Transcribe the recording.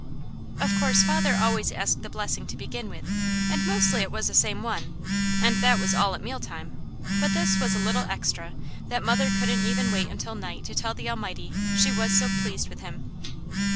Of course father always asked the blessing to begin with, and mostly it was the same one, and that was all at meal time, but this was a little extra that mother couldn't even wait until night to tell the Almighty, she was so pleased with Him.